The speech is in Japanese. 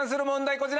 こちら。